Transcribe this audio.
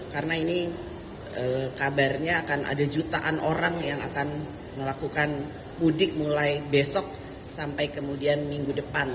karena ini kabarnya akan ada jutaan orang yang akan melakukan mudik mulai besok sampai kemudian minggu depan